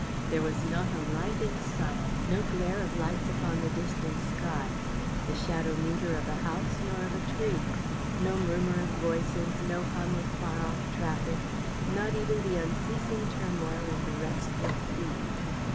There was not a light in sight; no glare of lights upon the distant sky; the shadow neither of a house nor of a tree. No murmur of voices; no hum of far off traffic; not even the unceasing turmoil of the restless sea.